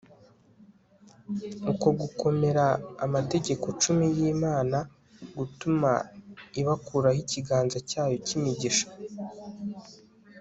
uko kugomera amategeko cumi y'imana gutuma ibakuraho ikiganza cyayo cy'imigisha